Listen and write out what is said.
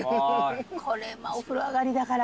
これお風呂上がりだから。